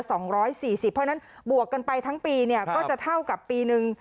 เพราะฉะนั้นบวกกันไปทั้งปีก็จะเท่ากับปีนึง